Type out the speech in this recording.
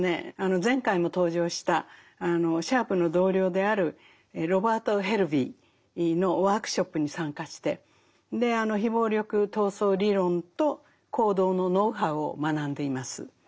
前回も登場したシャープの同僚であるロバート・ヘルヴィーのワークショップに参加して非暴力闘争理論と行動のノウハウを学んでいます。